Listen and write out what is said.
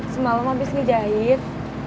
semalam abis ngejahit